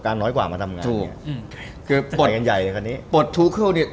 การน้อยกว่ามาทำงานถูกอืมคือปล่อยกันใหญ่กันนี้ปลดทูเครื่องเนี้ย